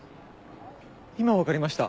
今分かりました。